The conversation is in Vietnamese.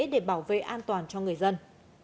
để bảo vệ an toàn cho người dân